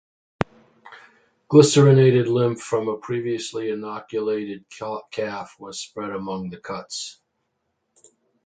Glycerinated lymph from a previously inoculated calf was spread along the cuts.